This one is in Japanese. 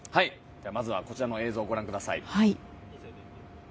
まずはこちらの映像をご覧ください。